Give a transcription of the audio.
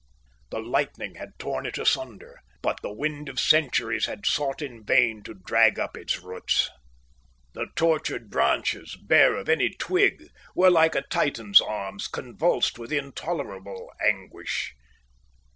The lightning had torn it asunder, but the wind of centuries had sought in vain to drag up its roots. The tortured branches, bare of any twig, were like a Titan's arms, convulsed with intolerable anguish.